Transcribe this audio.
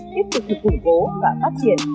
tiếp tục được củng cố và phát triển